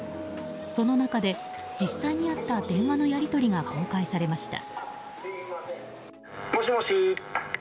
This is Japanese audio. その中で、実際にあった電話のやり取りが公開されました。